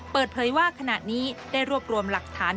เปิดเผยว่าขณะนี้ได้รวบรวมหลักฐาน